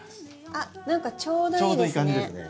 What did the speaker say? あっ何かちょうどいいですね。